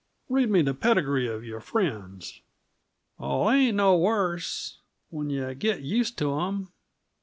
"Read me the pedigree of your friends." "Oh, they ain't no worse when yuh git used to 'em.